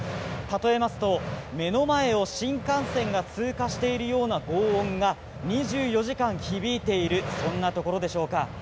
例えますと目の前を新幹線が通過しているような轟音が２４時間響いているそんなところでしょうか。